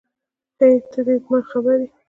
هی ته ده ما خبر یی